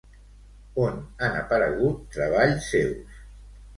On han aparegut treballs seus?